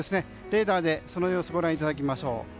レーダーでその様子をご覧いただきましょう。